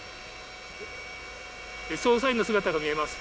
捜査員の姿が見えます。